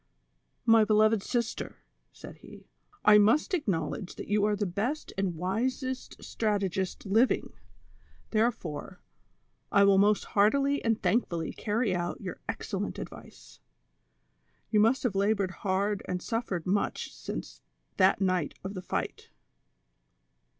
" My beloved sister," said he, "• I must acknowledge that you are the best and wisest strategist living ; therefore, I will most heai'tily and thankfully carry out your excel lent advice. You must have labored hard and suffered much since that night of the fight."